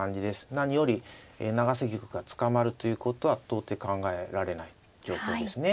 何より永瀬玉が捕まるということは到底考えられない状況ですね。